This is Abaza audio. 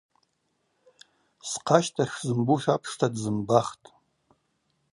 Схъащтахь шзымбуш апшта дзымбахтӏ.